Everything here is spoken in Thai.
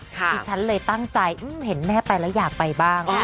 ที่ฉันเลยตั้งใจเห็นแม่ไปแล้วอยากไปบ้าง